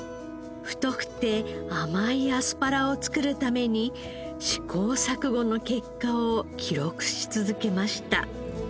太くて甘いアスパラを作るために試行錯誤の結果を記録し続けました。